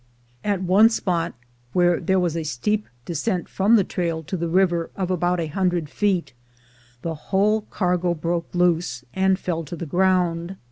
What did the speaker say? At one spot, where there was a steep descent from the trail to the river of about a hundred feet, the whole cargo broke loose, and fell to the ground.